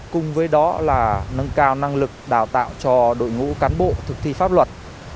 cùng với đó là nâng cao năng lực đào tạo cho đội ngũ cán bộ thực thi pháp luật